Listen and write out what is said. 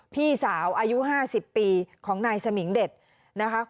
พี่สาวอายุ๕๐ปีของนายสมิงเด็ดนะคะ